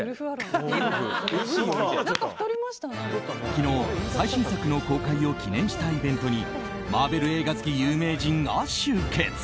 昨日最新作の公開を記念したイベントにマーベル映画好き有名人が集結。